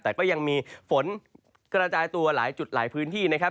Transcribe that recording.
แต่ก็ยังมีฝนกระจายตัวหลายจุดหลายพื้นที่นะครับ